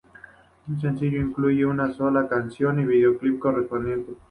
Los sencillos incluyeron una sola canción y el videoclip correspondiente.